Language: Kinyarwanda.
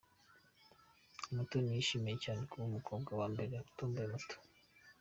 Umutoni yishimiye cyane kuba umukobwa wa mbere utomboye Moto.